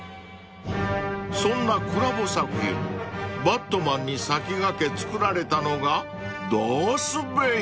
［そんなコラボ作品バットマンに先駆け作られたのが］